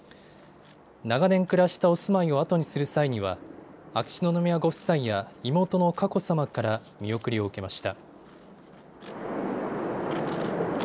長年暮らしたお住まいを後にする際には秋篠宮ご夫妻や妹の佳子さまから見送りを受けました。